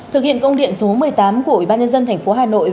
thực hiện công điện số một mươi tám của ủy ban nhân dân thành phố hà nội